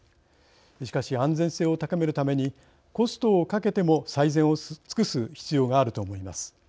しかし安全性を高めるためにコストをかけても最善を尽くす必要があると思います。